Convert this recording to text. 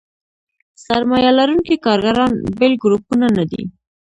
سرمایه لرونکي کارګران بېل ګروپونه نه دي.